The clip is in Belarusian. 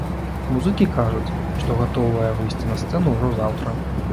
Музыкі кажуць, што гатовыя выйсці на сцэну ўжо заўтра.